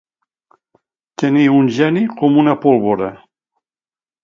Tenir un geni com una pólvora.